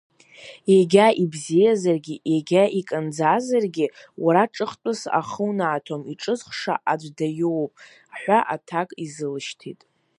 Егьа ибзиазаргьы, егьа иканӡазаргьы, уара ҿыхтәыс ахы унаҭом, иҿызхша аӡә даиуп ҳәа аҭак изылшьҭит.